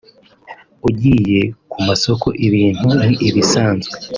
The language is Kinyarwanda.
ugiye ku masoko ibintu ni ibisanzwe